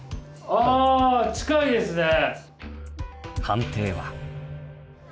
あ判定は？